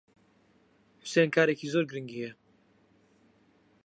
حوسێن کارێکی زۆر گرنگی ھەیە.